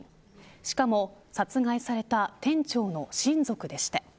しかも、殺害された店長の親族でした。